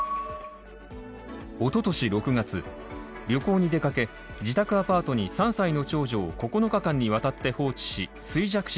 おととし６月、旅行に出かけ、自宅アパートに３歳の長女を９日間にわたって放置し衰弱